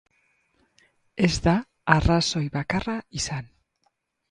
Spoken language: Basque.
Ez da arrazoi bakarra izan.